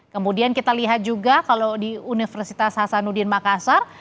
kemudian kita lihat juga kalau di universitas hasanuddin makassar